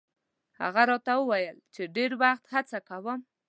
هغه راته ویل چې ډېر وخت هڅه کوم.